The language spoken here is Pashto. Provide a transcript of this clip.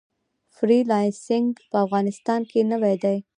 فری لانسینګ په افغانستان کې نوی دی